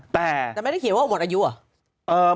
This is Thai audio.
แต่ไม่ได้เขียนว่าหมดอายุเหรอ